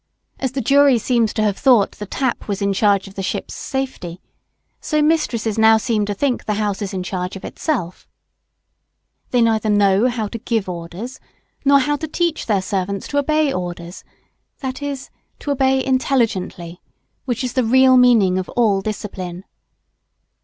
As the jury seems to have thought the tap was in charge of the ship's safety, so mistresses now seem to think the house is in charge of itself. They neither know how to give orders, nor how to teach their servants to obey orders i.e., to obey intelligently, which is the real meaning of all discipline.